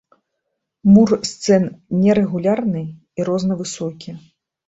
Мур сцен нерэгулярны і рознавысокі.